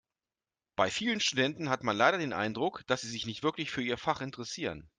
Bei vielen Studenten hat man leider den Eindruck, dass sie sich nicht wirklich für ihr Fach interessieren.